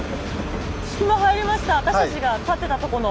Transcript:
隙間入りました私たちが立ってたとこの。